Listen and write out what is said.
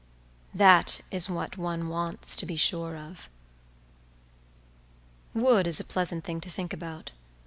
That is what one wants to be sure of.… Wood is a pleasant thing to think about.